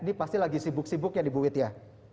ini pasti lagi sibuk sibuk ya di buit ya